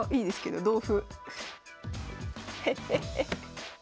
同歩？